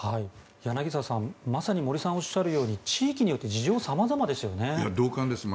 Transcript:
柳澤さんまさに森さんがおっしゃるように地域によって事情は様々ですよね。